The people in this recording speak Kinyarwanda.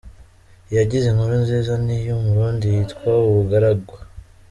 Iyagize inkuru nziza ni iy’Umurundi yitwa “Ubugaragwa”.